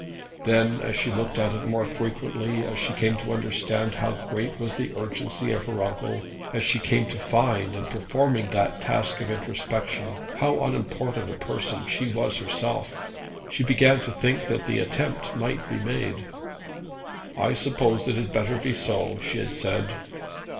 Then as she looked at it more frequently, as she came to understand how great was the urgency of her uncle; as she came to find, in performing that task of introspection, how unimportant a person she was herself, she began to think that the attempt might be made. 'I suppose it had better be so,' she had said.